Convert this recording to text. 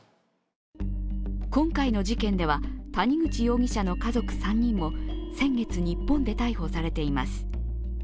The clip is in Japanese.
今回の事件では谷口容疑者の家族３人も先月、日本で逮捕されています。